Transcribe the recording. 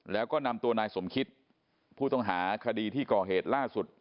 แล้วก็นำตัวนายสมคิตผู้ต้องหาคดีที่ก่อเหตุล่าสุด